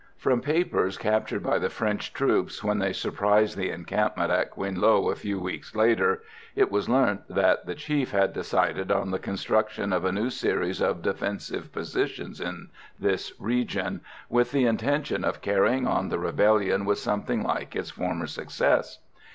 From papers captured by the French troops, when they surprised the encampment at Quinh Low a few weeks later, it was learnt that the chief had decided on the construction of a new series of defensive positions in this region, with the intention of carrying on the rebellion with something like its former success.